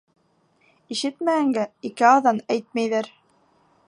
Ишетмәгәнгә ике аҙан әйтмәйҙәр.